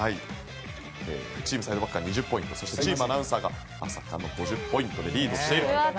ＴＥＡＭサイドバックが２０ポイントそしてＴＥＡＭアナウンサーがまさかの５０ポイントでリードしていると。